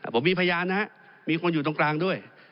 ผมมีพยานนะครับมีคนอยู่ตรงกลางด้วย